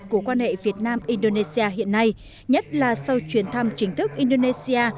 của quan hệ việt nam indonesia hiện nay nhất là sau chuyến thăm chính thức indonesia